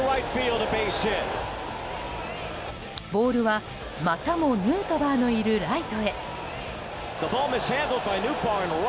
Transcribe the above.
ボールは、またもヌートバーのいるライトへ。